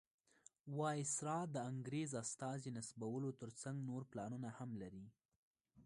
وایسرا د انګریز استازي نصبولو تر څنګ نور پلانونه هم لري.